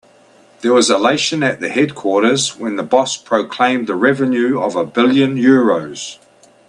There was elation at the headquarters when the boss proclaimed the revenue of a billion euros.